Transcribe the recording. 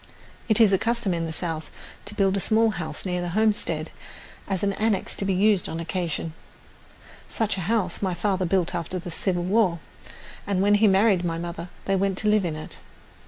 It is a custom in the South to build a small house near the homestead as an annex to be used on occasion. Such a house my father built after the Civil War, and when he married my mother they went to live in it.